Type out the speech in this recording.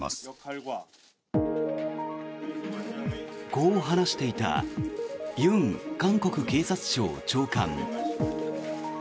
こう話していたユン韓国警察庁長官。